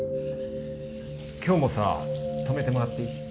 今日もさ泊めてもらっていい？